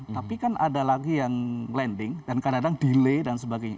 tapi kan ada lagi yang blending dan kadang kadang delay dan sebagainya